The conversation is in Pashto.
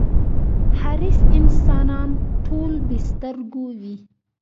حریص انسانان ټول بې سترگو وي.